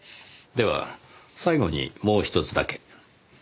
では最後にもうひとつだけ。